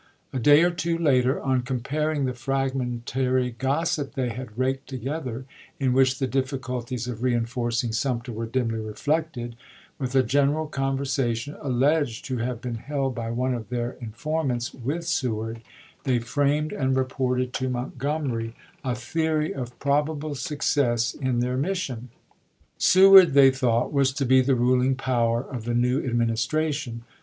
A day or two later, on comparing the fragmentary gossip they had raked together, in which the difficulties of reenforcing Sumter were dimly reflected, with a general con versation alleged to have been held by one of their informants with Seward, they framed and reported to Montgomery a theory of probable success in their mission. Seward, they thought, was to be the ruling power of the new Administration.